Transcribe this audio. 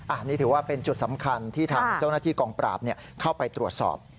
อันนี้ถือว่าเป็นจุดสำคัญที่ทางเจ้าหน้าที่กองปราบเข้าไปตรวจสอบ